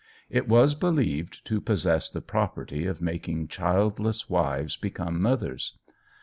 It was believed to possess the property of making childless wives become mothers.